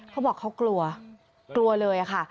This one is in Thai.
เขาบอกเขากลัวกลัวเลยค่ะ